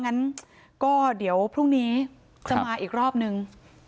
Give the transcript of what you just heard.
งั้นก็เดี๋ยวพรุ่งนี้จะมาอีกรอบนึง